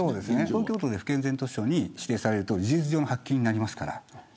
東京都で不健全図書に指定されると事実上の発禁になります。